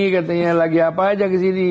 katanya lagi apa aja di sini